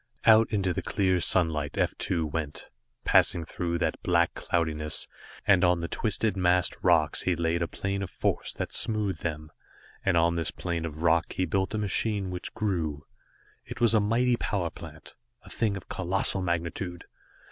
Out into the clear sunlight F 2 went, passing through that black cloudiness, and on the twisted, massed rocks he laid a plane of force that smoothed them, and on this plane of rock he built a machine which grew. It was a mighty power plant, a thing of colossal magnitude.